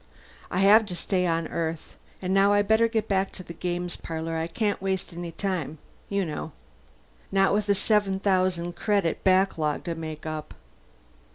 "I have to stay on Earth. And now I'd better get back to the games parlor I can't waste any time, you know. Not with a seven thousand credit backlog to make up."